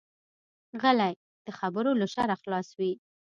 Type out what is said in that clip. غلی، د خبرو له شره خلاص وي.